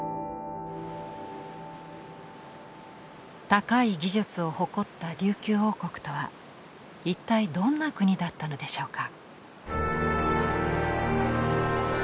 高い技術を誇った琉球王国とは一体どんな国だったのでしょうか。